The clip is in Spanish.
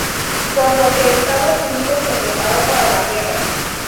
Por lo que Estados Unidos se preparó para la guerra.